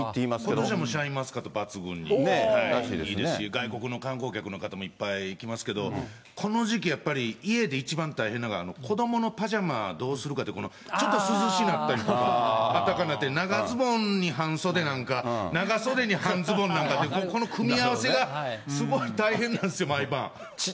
ことしはもうシャインマスカット抜群にいいですし、外国の観光客の方もいっぱい来ますけど、この時期やっぱり、家で一番大変なのが、子どものパジャマどうするかって、ちょっと涼しなったりとか、あったかなって、長ズボンに半袖なのか、長袖に半ズボンなのか、この組み合わせがすごい大変なんですよ、毎晩。